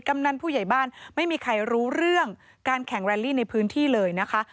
กำนันผู้ใหญ่บ้านไม่มีใครรู้เรื่องการแข่งแรลลี่ในพื้นที่เลยนะคะ